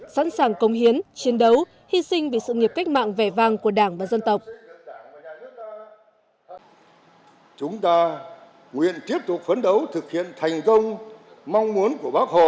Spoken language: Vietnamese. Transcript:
sẵn sàng công hiến chiến đấu hy sinh vì sự nghiệp cách mạng vẻ vang của đảng và dân tộc